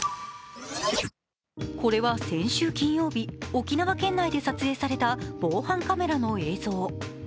これは先週金曜日、沖縄県内で撮影された防犯カメラの映像。